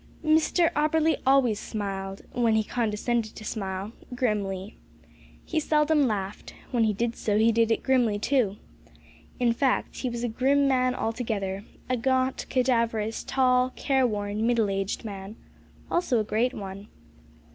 Mr Auberly always smiled when he condescended to smile grimly. He seldom laughed; when he did so he did it grimly too. In fact, he was a grim man altogether; a gaunt, cadaverous, tall, careworn, middle aged man also a great one.